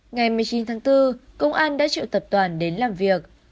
ngày một mươi chín tháng bốn công an đã triệu tập toàn đến làm việc